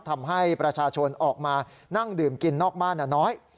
ทำให้ประชาชนออกมานั่งดื่มกินนอกบ้านน้อย